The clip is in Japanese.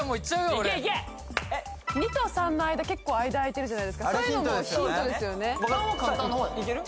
俺２と３の間結構間あいてるじゃないですかそういうのもヒントですよね・いける？